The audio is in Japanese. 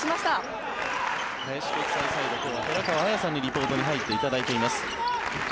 今日は寺川綾さんにリポートに入っていただいています。